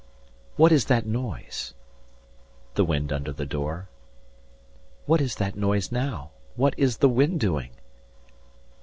"What is that noise?" The wind under the door. "What is that noise now? What is the wind doing?"